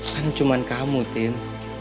kan cuma kamu tin